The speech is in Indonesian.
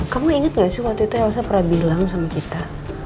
kamu ingat gak sih waktu itu yang saya pernah bilang sama kita